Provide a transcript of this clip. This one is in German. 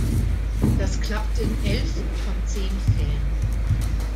Das klappt in elf von zehn Fällen.